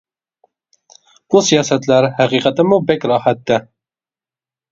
بۇ سىياسەتلەر ھەقىقەتەنمۇ بەك راھەتتە.